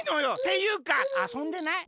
ていうかあそんでない？